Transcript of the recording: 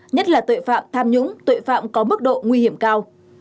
nhất là tội phạm tham nhũng tội phạm có mức độ nguy hiểm cao